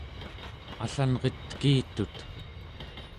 allanret tekitut